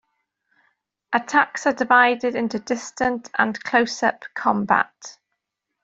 Attacks are divided into distant and close-up combat.